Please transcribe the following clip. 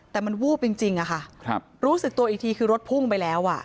แต่มันวูบจริงอะค่ะรู้สึกตัวอีกทีคือรถพุ่งไปแล้วอ่ะ